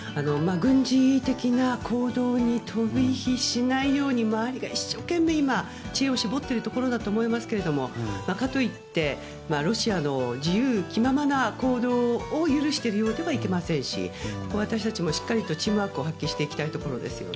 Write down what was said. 軍事的な行動に飛び火しないように周りが一生懸命、知恵を絞っているところだと思いますがかといってロシアの自由気ままな行動を許しているようではいけませんし私たちもしっかりとチームワークを発揮していきたいところです。